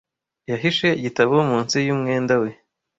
Yahishe igitabo munsi yumwenda we.